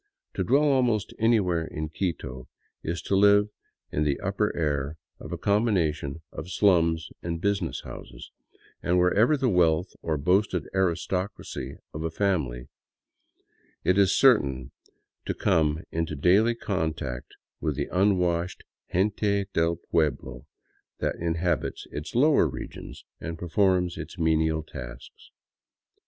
To dwell almost anywhere in Quito is to live in the upper air of a combination of slums and business houses, and whatever the wealth or boasted aristocracy of a family, it is certain to come into daily contact with the unwashed gente del pueblo that in habits its lower regions and performs its menial tasks.